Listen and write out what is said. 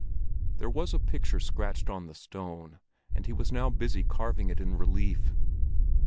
There was a picture scratched on the stone, and he was now busy carving it in relief.